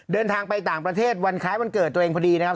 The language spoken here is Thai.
เดินทางไปต่างประเทศวันคล้ายวันเกิดตัวเองพอดีนะครับ